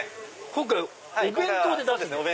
今回お弁当で出すんですね。